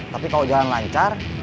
tapi kalau jalan lancar